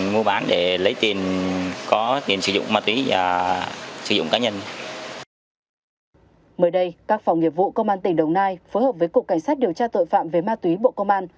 mới đây các phòng nghiệp vụ công an tỉnh đồng nai phối hợp với cục cảnh sát điều tra tội phạm về ma túy bộ công an